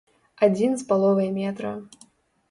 Адзін з паловай метра.